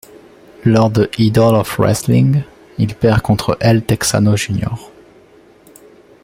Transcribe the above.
Lors de Idols Of Wrestling, il perd contre El Texano Jr.